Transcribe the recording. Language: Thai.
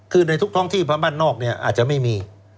คือในทุกท้องที่บ้านบ้านนอกอาจจะไม่มี